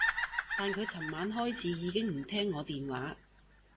但佢噚晚開始已經唔聽我電話